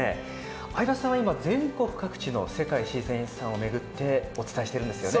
相葉さんは今、全国各地の世界自然遺産を巡ってお伝えしているんですよね。